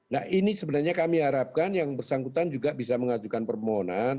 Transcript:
nah ini sebenarnya kami harapkan yang bersangkutan juga bisa mengajukan permohonan